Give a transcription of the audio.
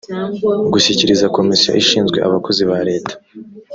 gushyikiriza komisiyo ishinzwe abakozi ba leta